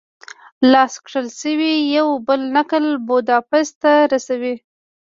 لاس کښل شوی یو بل نقل بوداپست ته رسوي.